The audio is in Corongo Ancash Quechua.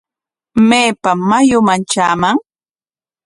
¿Maypam mayuman traaman?